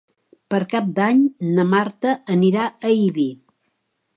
Per Cap d'Any na Marta anirà a Ibi.